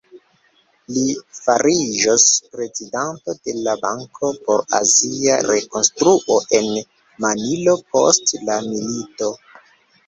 Li fariĝos prezidanto de la Banko por Azia Rekonstruo en Manilo post la milito.